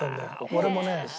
俺もね